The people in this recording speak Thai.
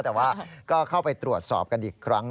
แต่ว่าก็เข้าไปตรวจสอบกันอีกครั้ง